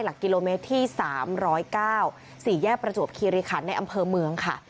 หลักกิโลเมตรที่๓๐๙๔แยกประจวบคีรีคันในอำเภอเมืองค่ะ